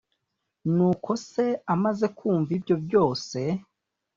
Nuko se amaze kumva ibyo byose,